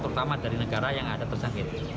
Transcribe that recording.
terutama dari negara yang ada terjangkit